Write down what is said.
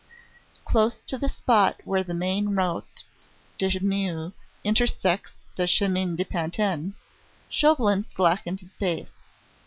Close to the spot where the main Route de Meux intersects the Chemin de Pantin, Chauvelin slackened his pace.